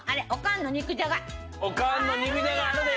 おかんの肉じゃがあるで。